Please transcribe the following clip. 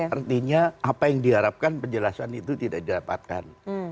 artinya apa yang diharapkan penjelasan itu tidak didapatkan